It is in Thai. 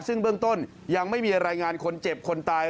ซึ่งเบื้องต้นยังไม่มีรายงานคนเจ็บคนตาย